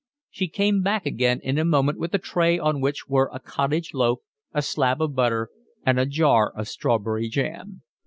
She came back again in a moment with a tray on which were a cottage loaf, a slab of butter, and a jar of strawberry jam.